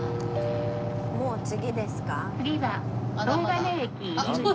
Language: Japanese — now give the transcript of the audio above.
もう次ですか？